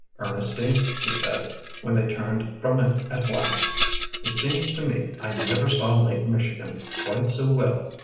"Ernestine," he said, when they turned from it at last, "it seems to me I never saw Lake Michigan quite so well before."